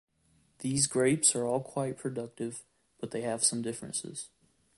These grapes are all quite productive, but they have some differences.